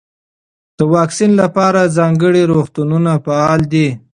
د واکسین لپاره ځانګړي روغتونونه فعال دي.